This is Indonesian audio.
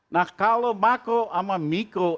nah kalau makro sama mikro